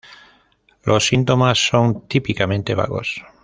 Los síntomas son típicamente vagos.